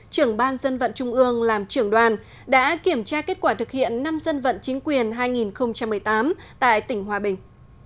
trưởng ban dân vận trung ương làm trưởng đoàn đã kiểm tra kết quả thực hiện năm dân vận chính quyền hai nghìn một mươi tám tại tỉnh hòa bình